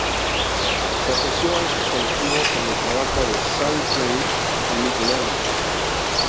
Se asoció a este colectivo con el trabajo de Sadie Plant y Nick Land.